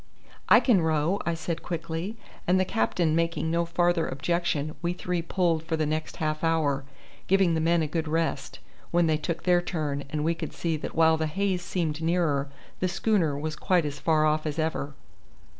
"I can row," I said quickly; and the captain making no farther objection, we three pulled for the next half hour, giving the men a good rest, when they took their turn, and we could see that while the haze seemed nearer the schooner was quite as far off as ever.